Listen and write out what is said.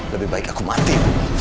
lebih baik aku mati